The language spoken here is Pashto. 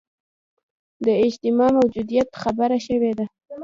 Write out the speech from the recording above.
د اجماع موجودیت خبره شوې ده